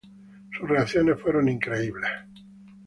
Sus reacciones fueron increíbles.